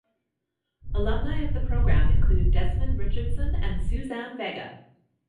Alumni of the program include Desmond Richardson and Suzanne Vega.